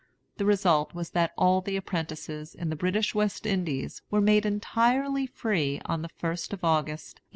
The result was that all the apprentices in the British West Indies were made entirely free on the 1st of August, 1838.